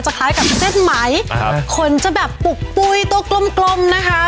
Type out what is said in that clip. จะคล้ายกับเส้นไม้ขนจะแบบปุกปุ้ยโต๊ะกลมนะฮะ